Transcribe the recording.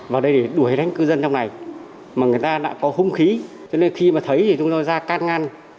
vào đây để đuổi đánh cư dân trong này mà người ta đã có hung khí cho nên khi mà thấy thì chúng tôi ra can ngăn